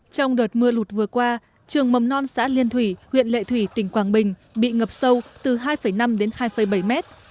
trong đợt mưa lụt vừa qua trường mầm non xã liên thủy huyện lệ thủy tỉnh quảng bình bị ngập sâu từ hai năm đến hai bảy mét